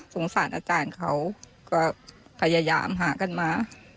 สารอาจารย์เขาก็พยายามหากันมา